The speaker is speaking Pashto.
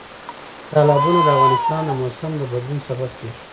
تالابونه د افغانستان د موسم د بدلون سبب کېږي.